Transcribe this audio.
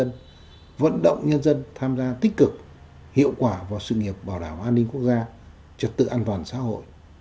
thiết động hậu thuận tiến hành bạo loạn để lật đổ chế độ